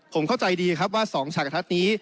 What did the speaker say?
ผมเข้าใจดีครับว่า๒ฉากกระทัดนี้